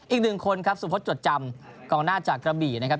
อีก๑คนครับสมมติจดจำกลางหน้าจากกระบีนะครับ